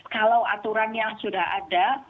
kalau aturan yang sudah ada